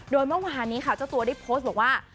โดยเมื่อวานนี้ค่ะเจ้าตัวได้โพสต์บอกว่า